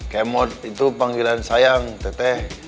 kemod itu panggilan sayang teteh